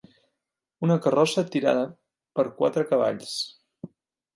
Una carrossa tirada per quatre cavalls.